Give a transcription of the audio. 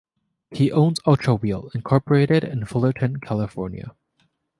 He owns Ultra Wheel, Incorporated in Fullerton, California.